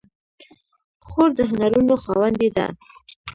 خور د هنرونو خاوندې ده.